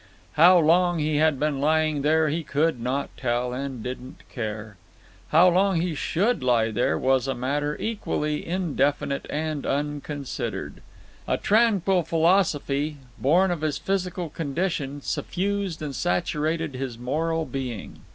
How long he had been lying there he could not tell, and didn't care; how long he should lie there was a matter equally indefinite and unconsidered. A tranquil philosophy, born of his physical condition, suffused and saturated his moral being.